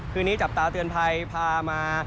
ทุกท่านจำตาเตือนภัยพามา